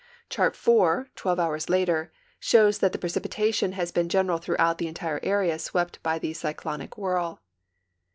Chart IV, 12 hours later, shows that the precipitation has been general tbroughout the entire area swept b}^ the cyclonic whirl.